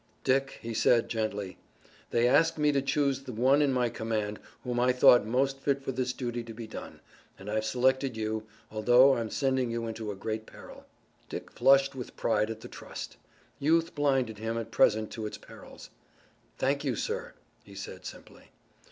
"Dick," he said gently, "they asked me to choose the one in my command whom I thought most fit for this duty to be done, and I've selected you, although I'm sending you into a great peril." Dick flushed with pride at the trust. Youth blinded him at present to its perils. "Thank you, sir," he said simply.